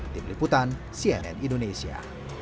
tim liputan cnn indonesia